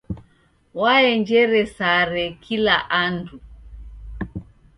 Waenjere sare kila andu.